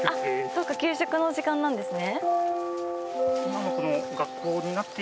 そっか給食の時間なんですね。